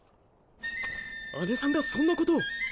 アネさんがそんなことを！？